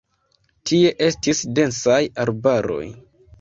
Tie estis densaj arbaroj.